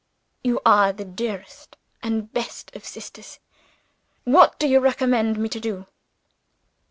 "You are the dearest and best of sisters! What do you recommend me to do?"